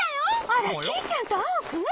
あらキイちゃんとアオくん？